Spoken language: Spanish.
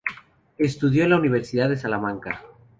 Estudió en la Universidad de Salamanca.